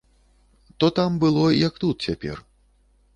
То там было, як тут цяпер.